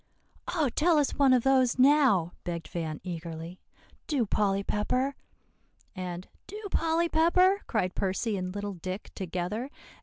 "Oh, tell us one of those now!" begged Van eagerly, "do, Polly Pepper;" and "do, Polly Pepper," cried Percy and little Dick together.